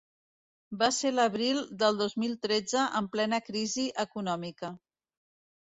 Va ser l’abril del dos mil tretze, en plena crisi econòmica.